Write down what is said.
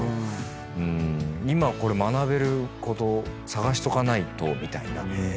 今学べること探しとかないとみたいな。